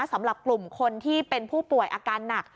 สำหรับกลุ่มคนที่เป็นผู้ป่วยอาการหนัก